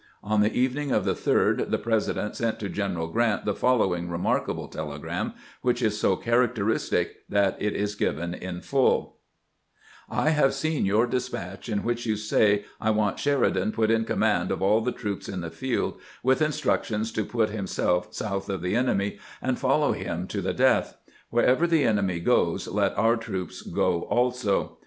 On the evening of the 3d the President sent to General Grant the following remarkable telegram, which is so characteristic that it is given in full : "I have seen your despatch in which you say: 'I want Sheridan put in command of all the troops in the field, with instructions to put himself south of the en emy and f oUow him to the death ; wherever the enemy goes, let our troops go also.'